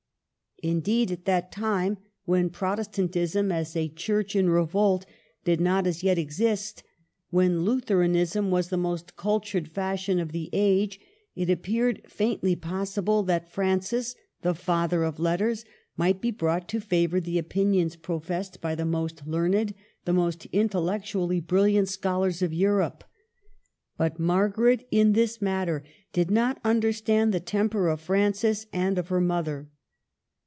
Indeed, at that time, when Protest THE AFFAIR OF MEAUX. 55 antism as a Church in revolt did not as yet exist, when Lutheranism was the most cultured fashion of the age, it appeared faintly possible that Francis, the Father of Letters, might be brought to favor the opinions professed by the most learned, the most intellectually brilliant scholars of Europe. But Margaret, in this mat ter, did not understand the temper of Francis and of her mother.